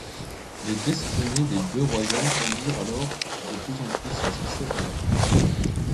Les destinées des deux royaumes tendirent alors de plus en plus à se séparer.